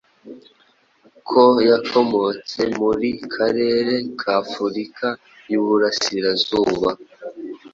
ko yakomotse muri karere k'Afurika y'uburasirazuba